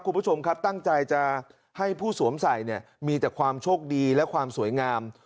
คุณผู้ชมครับตั้งใจจะให้ผู้สวมใส่เนี่ยมีแต่ความโชคดีและความสวยงาม